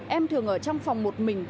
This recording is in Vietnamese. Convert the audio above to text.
em thường ở trong phòng một mình